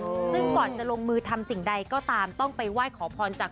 ซึ่งก่อนจะลงมือทำสิ่งใดก็ตามต้องไปไหว้ขอพรจาก